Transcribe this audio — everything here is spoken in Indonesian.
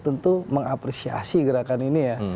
tentu mengapresiasi gerakan ini ya